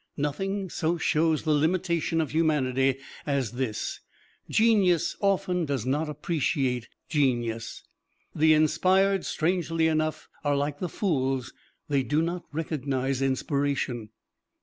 Nothing so shows the limitation of humanity as this: genius often does not appreciate genius. The inspired, strangely enough, are like the fools, they do not recognize inspiration.